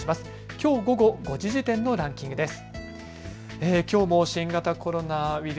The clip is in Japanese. きょう午後５時時点のランキングです。